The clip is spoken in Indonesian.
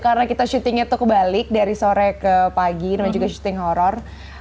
karena kita syutingnya tuh kebalik dari sore ke pagi namanya juga syuting horror